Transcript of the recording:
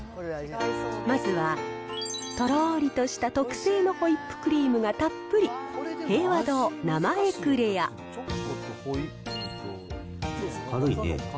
まずは、とろーりとした特製のホイップクリームがたっぷり、平和堂、軽いね。